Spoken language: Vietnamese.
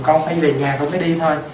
con phải về nhà con mới đi thôi